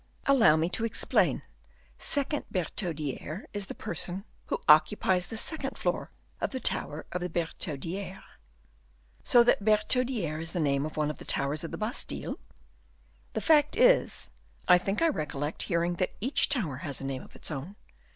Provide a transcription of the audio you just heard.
"Allow me to explain: second Bertaudiere is the person who occupies the second floor of the tower of the Bertaudiere." "So that Bertaudiere is the name of one of the towers of the Bastile? The fact is, I think I recollect hearing that each tower has a name of its own.